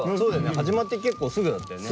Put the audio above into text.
始まって結構すぐだったよね。